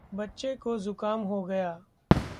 बच्चे को ज़ुकाम हो गया।